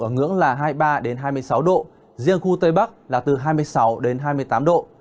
giá động ở ngưỡng là hai mươi ba đến hai mươi sáu độ riêng khu tây bắc là từ hai mươi sáu đến hai mươi tám độ